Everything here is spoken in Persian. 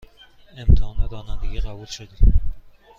امتحان رانندگی قبول شدی؟